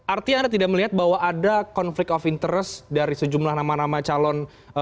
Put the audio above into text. artinya anda tidak melihat bahwa ada konflik of interest dari sejumlah nama nama calon